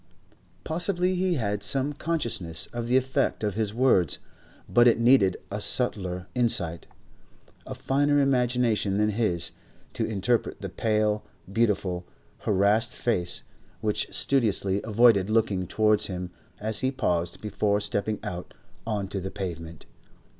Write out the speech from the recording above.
Possibly he had some consciousness of the effect of his words, but it needed a subtler insight, a finer imagination than his, to interpret the pale, beautiful, harassed face which studiously avoided looking towards him as he paused before stepping out on to the pavement.